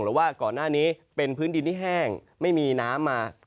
ว่าก่อนหน้านี้เป็นพื้นดินที่แห้งไม่มีน้ำมา